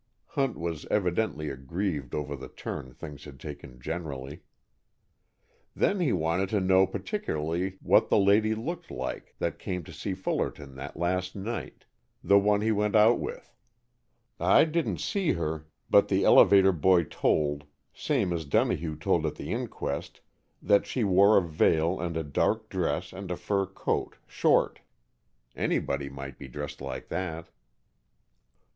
Hunt was evidently aggrieved over the turn things had taken generally. "Then he wanted to know particularly what that lady looked like that came to see Fullerton that last night, the one he went out with. I didn't see her, but the elevator boy told, same as Donohue told at the inquest, that she wore a veil and a dark dress and a fur coat, short. Anybody might be dressed like that."